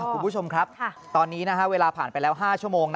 คุณผู้ชมครับตอนนี้เวลาผ่านไปแล้ว๕ชั่วโมง